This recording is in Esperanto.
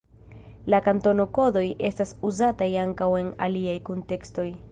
La kantono-kodoj estas uzataj ankaŭ en aliaj kuntekstoj.